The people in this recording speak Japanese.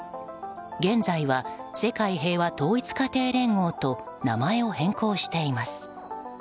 現在は世界平和統一家庭連合と名前を変更しています。